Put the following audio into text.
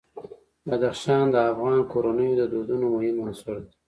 بدخشان د افغان کورنیو د دودونو مهم عنصر دی.